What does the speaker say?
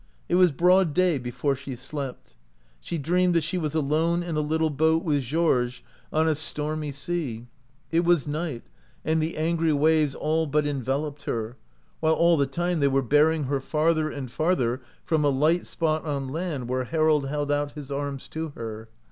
It was broad day before she slept. She dreamed that she was alone in a little boat with Georges on a stormy 149 OUT OF BOHEMIA sea. It was night, and the angry waves all but enveloped her, while all the time they were bearing her farther and farther from a light spot on land where Harold held out his arms to her.